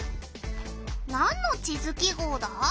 なんの地図記号だ？